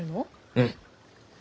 うん。